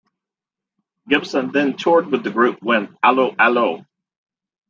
Gibson then toured with the group when 'Allo 'Allo!